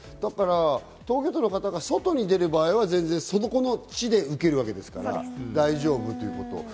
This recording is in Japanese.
東京都の方が外に出る場合はそこの地で受けるわけですから、大丈夫。